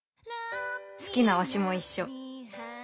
好きな推しも一緒。